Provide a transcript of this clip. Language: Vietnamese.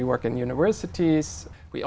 tôi nghĩ có thể